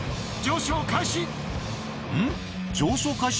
上昇開始。